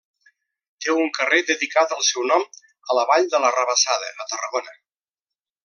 Té un carrer dedicat al seu nom a la vall de l'Arrabassada, a Tarragona.